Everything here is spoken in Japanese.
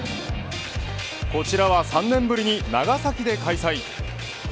こちらは３年ぶりに長崎で開催。